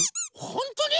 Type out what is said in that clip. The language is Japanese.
ほんとに？